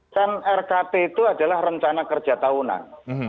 kan rkt itu adalah rencana kerja tahunan